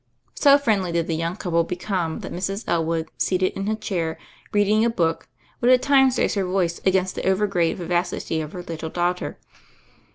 So friendly did the young couple become that Mrs. Elwood, seated in a chair, reading a book, would at times raise her voice against the over great vivacity of her little dau^ter.